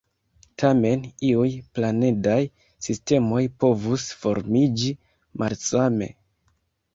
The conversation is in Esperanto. Tamen, iuj planedaj sistemoj povus formiĝi malsame.